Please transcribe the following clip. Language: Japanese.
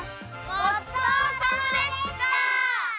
ごちそうさまでした！